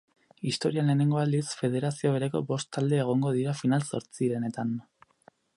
Historian lehenengo aldiz, federazio bereko bost talde egongo dira final-zortzirenetan.